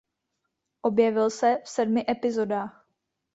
Objevil se v sedmi epizodách.